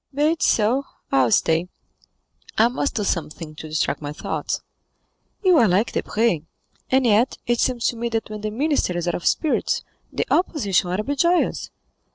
"Be it so; I will stay; I must do something to distract my thoughts." "You are like Debray, and yet it seems to me that when the minister is out of spirits, the opposition ought to be joyous."